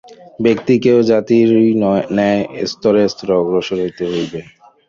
ব্যক্তিকেও জাতিরই ন্যায় স্তরে স্তরে অগ্রসর হইতে হইবে।